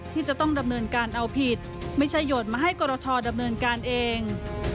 ที่จะต้องดำเนินการเอาผิดไม่ใช่โยนมาให้กรทดำเนินการเอง